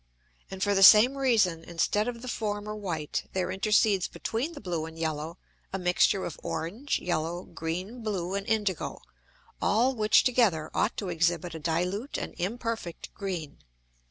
And for the same reason instead of the former white there intercedes between the blue and yellow a mixture of orange, yellow, green, blue and indigo, all which together ought to exhibit a dilute and imperfect green.